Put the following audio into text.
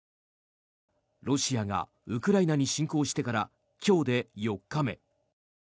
ロシアがウクライナに侵攻してから今日で４日目。